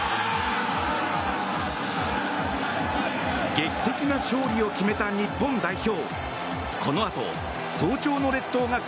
劇的な勝利を決めた日本代表。